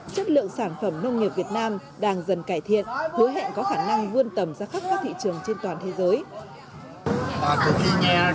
chất lượng sản phẩm nông nghiệp việt nam đang dần cải thiện hứa hẹn có khả năng vươn tầm ra khắp các thị trường trên toàn thế giới